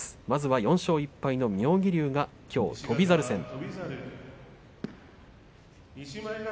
まずは４勝１敗の妙義龍がきょう翔猿戦。